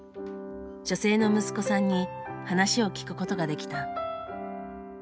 女性の息子さんに話を聞くことができた。